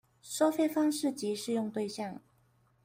收費方式及適用對象